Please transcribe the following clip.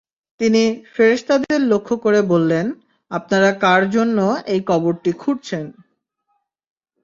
তিনি ফেরেশতাদেরকে লক্ষ্য করে বললেন, আপনারা কার জন্যে এই কবরটি খুঁড়ছেন?